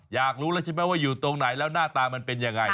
อยากรู้แล้วใช่ไหมว่าอยู่ตรงไหนแล้วหน้าตามันเป็นยังไง